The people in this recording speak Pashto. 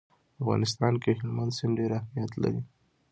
په افغانستان کې هلمند سیند ډېر اهمیت لري.